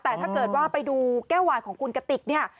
แต่ถ้าเกิดว่าไปดูแก้ววายของคุณกติกเนี่ย